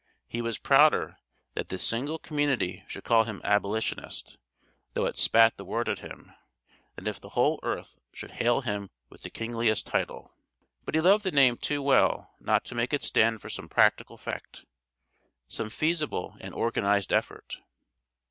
He was prouder that this single community should call him "abolitionist," though it spat the word at him, than if the whole earth should hail him with the kingliest title; but he loved the name too well not to make it stand for some practical fact, some feasible and organized effort.